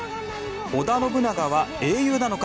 織田信長は英雄なのか？